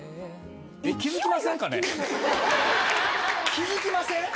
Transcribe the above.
気付きません？